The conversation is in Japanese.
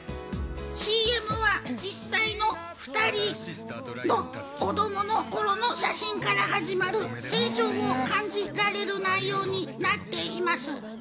ＣＭは実際の２人の子供の頃の写真から始まる成長を感じられる内容になっています。